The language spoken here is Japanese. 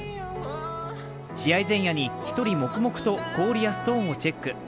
試合前夜に１人黙々と氷やストーンをチェック。